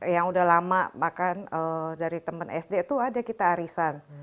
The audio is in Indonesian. yang udah lama bahkan dari teman sd itu ada kita arisan